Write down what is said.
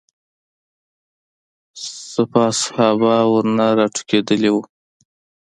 سپاه صحابه ورنه راټوکېدلي وو.